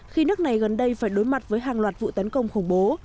khi nước này gần đây phải đối mặt với hàng loạt vụ tấn công khủng bố